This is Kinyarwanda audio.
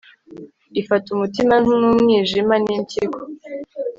ifata umutima n'umwijima n'impyiko